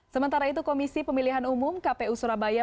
sementara itu komisi pemilihan umum kpu surabaya